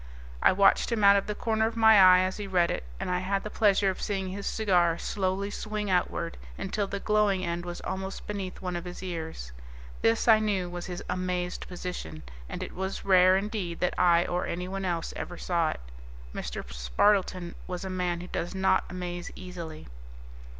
I watched him out of the corner of my eye as he read it, and I had the pleasure of seeing his cigar slowly swing outward until the glowing end was almost beneath one of his ears. This, I knew, was his Amazed Position, and it was rare indeed that I or anyone else ever saw it. Mr. Spardleton was a man who does not amaze easily.